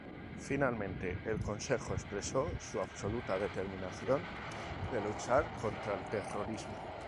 Finalmente, el Consejo expresó su absoluta determinación de luchar contra el terrorismo.